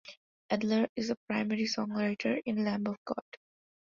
Adler is a primary songwriter in Lamb of God.